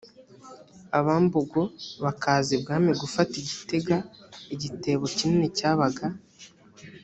abambogo bakaza ibwami gufata igitenga igitebo kinini cyabaga